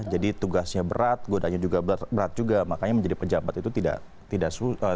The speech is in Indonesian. jadi tugasnya berat godanya juga berat juga makanya menjadi pejabat itu tidak mudah